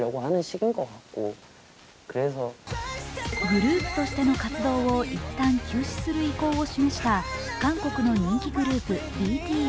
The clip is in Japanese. グループとしての活動を一旦休止する意向を示した韓国の人気グループ、ＢＴＳ。